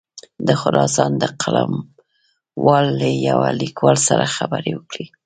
د خراسان د قلموال له یوه لیکوال سره خبرې وکړې.